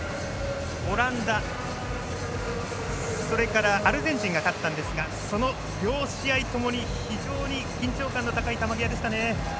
オランダそれからアルゼンチンが勝ったんですがその両試合ともに緊張感の高い球際でしたね。